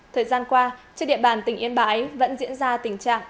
thời gian qua trên địa bàn tỉnh yên bái vẫn diễn ra tình trạng